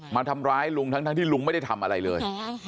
มาทำร้ายลุงทั้งที่ลุงไม่ได้ทำอะไรเลย